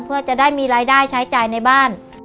เพื่อจะได้มีรายได้ใช้จ่ายในบ้าน